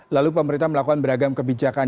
lalu pemerintah melakukan beragam kebijakan